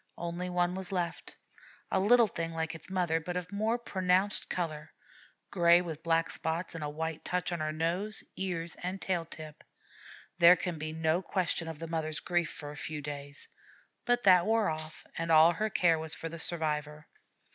Only one was left, a little thing like its mother, but of more pronounced color gray with black spots, and a white touch on nose, ears, and tail tip. There can be no question of the mother's grief for a few days; but that wore off, and all her care was for the survivor.